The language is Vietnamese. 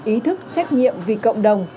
ý thức trách nhiệm vì cộng đồng